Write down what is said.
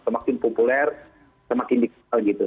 semakin populer semakin dikualitas